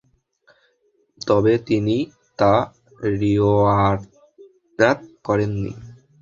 তবে তিনি তা রিওয়ায়াত করেননি।